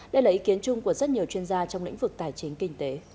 đây là ý kiến chung của rất nhiều chuyên gia trong lĩnh vực tài chính kinh tế